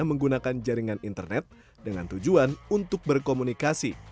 menggunakan jaringan internet dengan tujuan untuk berkomunikasi